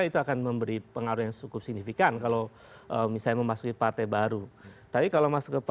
terima kasih terima kasih